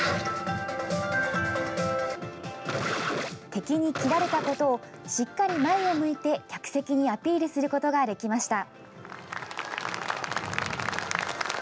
敵に斬られたことをしっかり前を向いて客席にアピールすることができました。